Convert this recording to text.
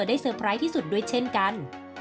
เซอร์ไพรส์ที่สุดด้วยเช่นกัน